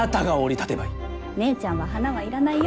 姉ちゃんは花は要らないよ。